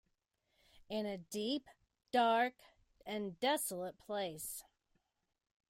In a deep, dark and desolate place.